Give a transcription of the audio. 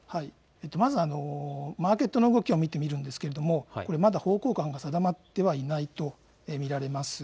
まずマーケットの動きを見てみるんですけれども、これ、まだ方向感が定まってはいないと見られます。